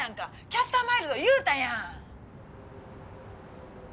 キャスター・マイルド言うたやん。